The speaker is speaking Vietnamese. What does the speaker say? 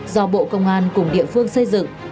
do bộ công an cùng địa phương xây dựng